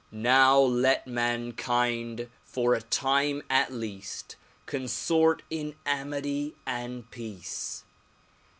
Now let mankind for a time at least, consort in amity and peace.